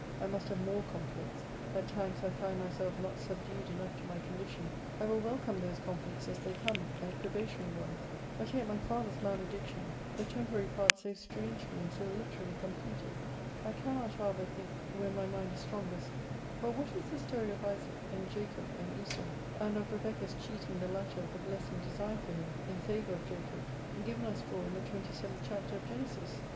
I must have more conflicts. At times I find myself not subdued enough to my condition. I will welcome those conflicts as they come, as probationary ones. But yet my father's malediction the temporary part so strangely and so literally completed! I cannot, however, think, when my mind is strongest But what is the story of Isaac, and Jacob, and Esau, and of Rebekah's cheating the latter of the blessing designed for him, (in favour of Jacob,) given us for in the 27th chapter of Genesis?